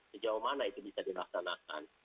sejauh mana itu bisa dilaksanakan